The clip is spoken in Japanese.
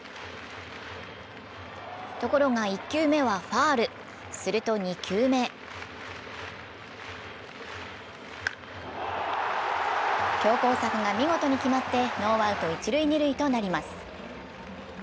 ところが１球目はファウル、すると２球目強攻策が見事に決まって、ノーアウト一・二塁となります。